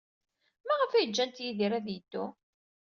Maɣef ay ǧǧant Yidir ad yeddu?